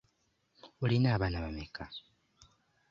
Olina abaana bameka?